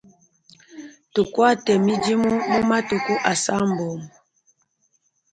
Tukuate midimu mu matuku asambombo.